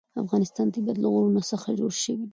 د افغانستان طبیعت له غرونه څخه جوړ شوی دی.